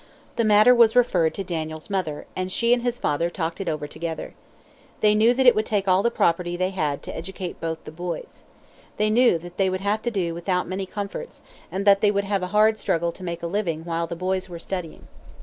The matter was referred to Daniel's mother, and she and his father talked it over together. They knew that it would take all the property they had to educate both the boys. They knew that they would have to do without many comforts, and that they would have a hard struggle to make a living while the boys were studying.